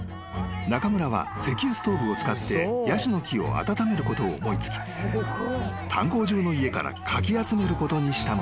中村は石油ストーブを使ってヤシの木を温めることを思い付き炭鉱中の家からかき集めることにしたのだ］